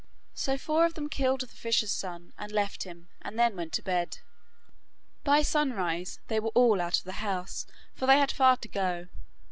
So four of them killed the fisher's son and left him, and then went to bed. By sunrise they were all out of the house, for they had far to go.